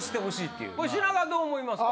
これ品川どう思いますか？